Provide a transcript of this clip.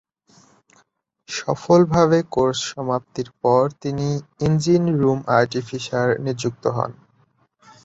সফলভাবে কোর্স সমাপ্তির পর তিনি ইঞ্জিন রুম আর্টিফিশার নিযুক্ত হন।